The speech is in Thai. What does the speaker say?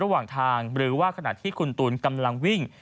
ระหว่างทางหรือว่าขณะที่คุณตูนกำลังวิ่ง